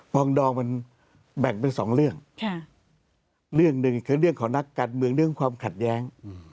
องดองมันแบ่งเป็นสองเรื่องเรื่องหนึ่งคือเรื่องของนักการเมืองเรื่องความขัดแย้ง